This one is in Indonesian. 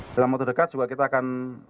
dalam waktu dekat juga kita akan